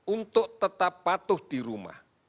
untuk tetap patuh di rumah